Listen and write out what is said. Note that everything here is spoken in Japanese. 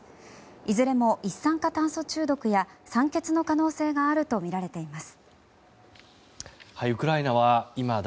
いずれも一酸化炭素中毒や酸欠の可能性があるとみられています。